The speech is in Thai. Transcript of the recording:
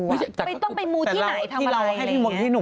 ไม่ต้องไปมูที่ไหนทำอะไร